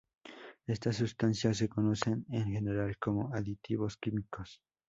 Estas sustancias se conocen, en general, como aditivos químicos.